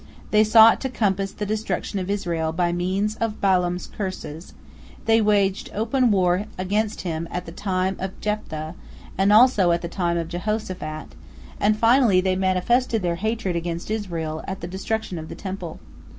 They sought to compass the destruction of Israel by means of Balaam's curses, they waged open war against him at the time of Jephthah, and also at the time of Jehoshaphat, and finally they manifested their hatred against Israel at the destruction of the Temple.